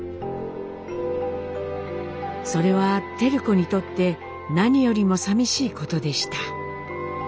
それは照子にとって何よりもさみしいことでした。